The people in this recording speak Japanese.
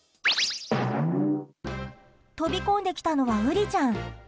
飛び込んできたのはうりちゃん。